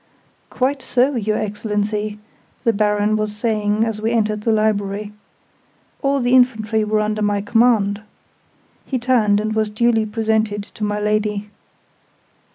"Quite so, your Excellency," the Baron was saying as we entered the Library. "All the infantry were under my command." He turned, and was duly presented to my Lady.